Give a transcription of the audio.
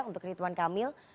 untuk rituan kamil